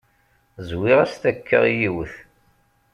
Zwiɣ-as takka i yiwet.